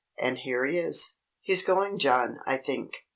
And here he is." "He's going, John, I think!"